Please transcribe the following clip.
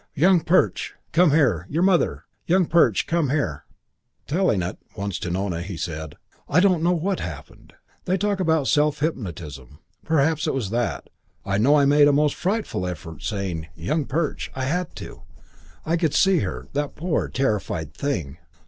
"Young Perch! Come here! Your mother! Young Perch, come here!" Telling it, once, to Nona, he said, "I don't know what happened. They talk about self hypnotism. Perhaps it was that. I know I made a most frightful effort saying 'Young Perch.' I had to. I could see her that poor terrified thing.